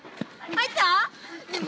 入った？